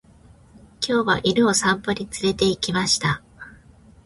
今日は犬を散歩に連れて行きました。